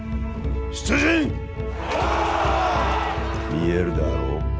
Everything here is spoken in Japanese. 見えるであろう？